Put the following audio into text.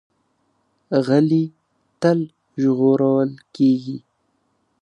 غلی، تل ژغورل کېږي.